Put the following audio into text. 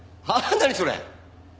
何それ！